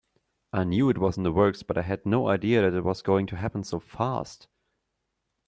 I knew it was in the works, but had no idea that it was going to happen so fast.